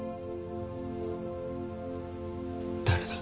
誰だ？